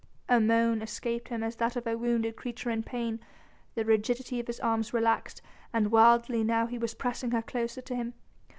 A moan escaped him as that of a wounded creature in pain; the rigidity of his arms relaxed and wildly now he was pressing her closer to him.